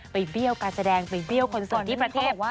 ไปเบี้ยวการแจดงไปเบี้ยวคอนเสิร์ตที่ประเทศ